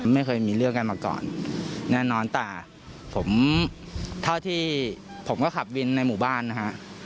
ไม่เคยมีเรื่องกันมาก่อนแน่นอนแต่ผมเท่าที่ผมก็ขับวินในหมู่บ้านนะฮะ